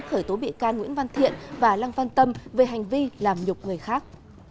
khởi tố bị can nguyễn văn thiện và lăng văn tâm về hành vi làm nhục người khác